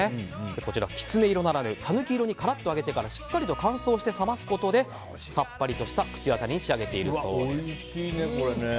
こちらキツネ色ならぬタヌキ色にカラッと揚げてからしっかりと乾燥して冷ますことでさっぱりとした口当たりに仕上げているそうです。